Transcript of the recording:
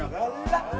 anak lelah orang kapil